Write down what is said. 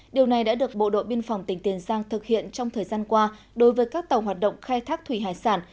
điều này đã được bộ đội biên phòng tỉnh tiền giang thực hiện trong thời gian qua đối với các tàu hoạt động khai thác thủy hải sản